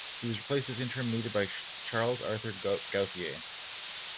He was replaced as interim leader by Charles-Arthur Gauthier.